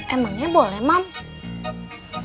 emangnya boleh moms